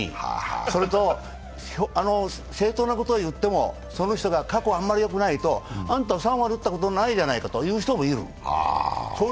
それと正当なことを言ってもその人が過去あまりよくないとあんた３割打ったことないじゃないかと言う人もいる。